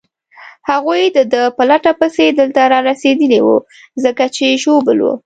هغوی د ده په لټه پسې دلته رارسېدلي وو، ځکه چې ژوبل وو.